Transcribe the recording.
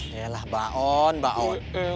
ya elah baon baon